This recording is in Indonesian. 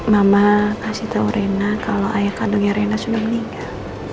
mama kasih tau reina kalo ayah kandungnya reina sudah meninggal